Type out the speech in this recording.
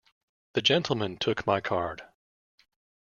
The gentleman took my card.